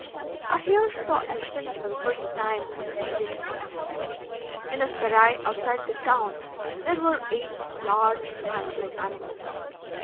I here saw elephants for the first time on the Indian continent. In a serai outside the town there were eight large handsome animals.